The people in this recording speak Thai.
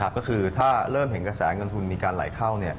ก็คือถ้าเริ่มเห็นกระแสเงินทุนมีการไหลเข้า